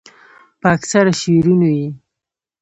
پۀ اکثره شعرونو ئې